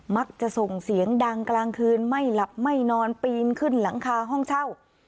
มักจะส่งเสียงดังกลางคืนไม่หลับไม่นอนปีนขึ้นหลังคาห้องเช่า